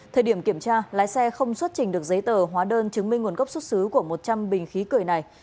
thời điểm kiểm tra lái xe không xuất trình được giấy tờ hóa đơn chứng minh nguồn gốc xuất xứ của một trăm linh bình khí cười này